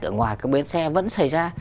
ở ngoài các bến xe vẫn xảy ra